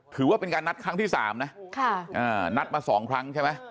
ถือว่าเป็นการนัดครั้งที่๓นะนัดมา๒ครั้งใช่ไหม